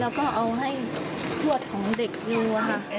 แล้วก็เอาให้ทวดของเด็กดูค่ะ